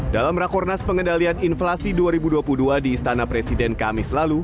dalam rakornas pengendalian inflasi dua ribu dua puluh dua di istana presiden kami selalu